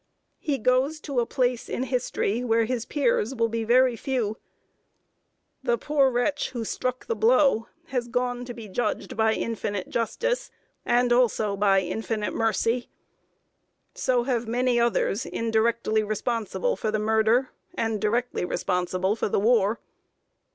He goes to a place in History where his peers will be very few. The poor wretch who struck the blow has gone to be judged by infinite Justice, and also by infinite Mercy. So have many others indirectly responsible for the murder, and directly responsible for the war.